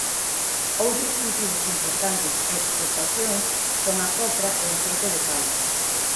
Outros cultivos importantes e exportacións son a copra e o aceite de palma.